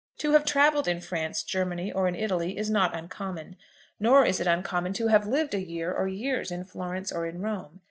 To have travelled in France, Germany, or in Italy, is not uncommon; nor is it uncommon to have lived a year or years in Florence or in Rome.